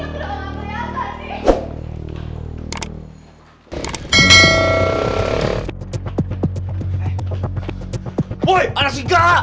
aku udah gak keliatan sih